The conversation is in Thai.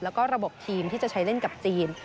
แล้วก็ระบบทีมที่จะใช้เล่นกับจีน